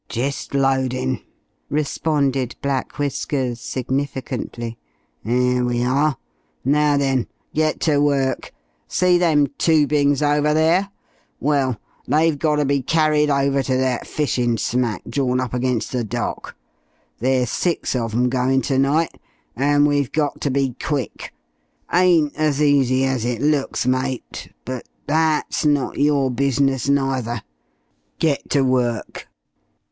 "Jist loadin'," responded Black Whiskers significantly. "'Ere we are. Now then, get ter work. See them tubings over there? Well, they've got to be carried over to that fishin' smack drawn up against the dock. There's six of 'em goin' ternight, and we've got ter be quick. Ain't as easy as it looks, mate, but that's not your business neither. Get ter work!"